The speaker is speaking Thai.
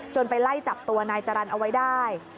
ไปไล่จับตัวนายจรรย์เอาไว้ได้